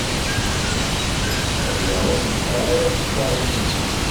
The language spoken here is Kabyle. Aya ur yesɛi assaɣ yid-i.